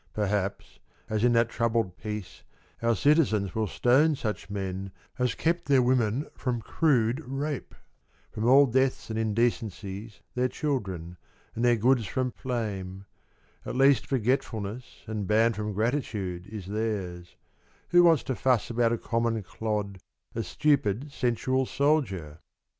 Perhaps as in that troubled peace Our citizens will stone such men As kept their women from crude rape, From all deaths and indecencies Their children, and their goods from flame, At least forgetfulness and ban From gratitude is theirs ; who wants To fuss about a common clod, A stupid sensual soldier